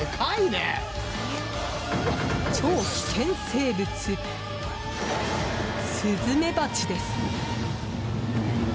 超危険生物、スズメバチです。